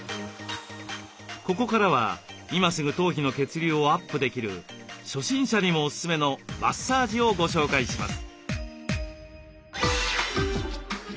ここからは今すぐ頭皮の血流をアップできる初心者にもおすすめのマッサージをご紹介します。